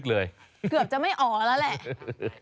เกือบจะไม่ออกแล้วแหละ